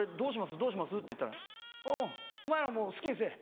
これどうします？」って言ったら「あぁお前らもう好きにせぇ。